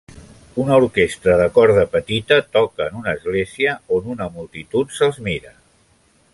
Una orquestra de corda petita toca en una església on una multitud se'ls mira.